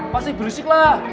pasti berisik lah